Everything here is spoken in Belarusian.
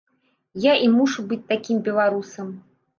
Я і мушу быць такім беларусам.